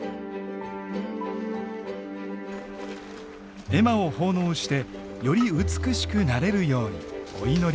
絵馬を奉納してより美しくなれるようにお祈りするのだそう。